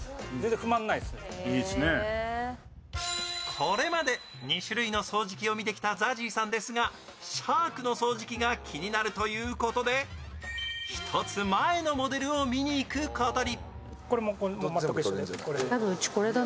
これまで２種類の掃除機を見てきたＺＡＺＹさんですがシャークの掃除機が気になるということで１つ前のモデルを見に行くことに。